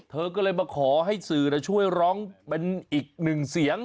เธอก็เลยมาขอให้สื่อช่วยร้องเป็นอีกหนึ่งเสียง